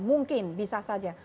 mungkin bisa saja